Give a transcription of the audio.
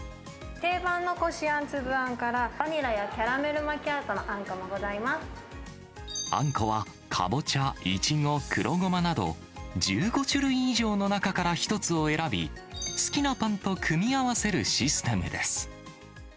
定番のこしあん、粒あんから、バニラやキャラメルマキアートのあんこはカボチャ、イチゴ、黒ゴマなど、１５種類以上の中から１つを選び、好きなパンと組み合わせるシステムです。